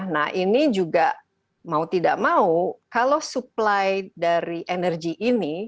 nah ini juga mau tidak mau kalau supply dari energi ini